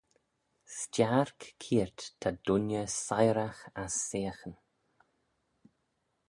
Stiark keayrt ta dooinney siyrragh ass seaghyn